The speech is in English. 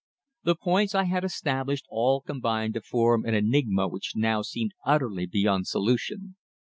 The points I had established all combined to form an enigma which now seemed utterly beyond solution.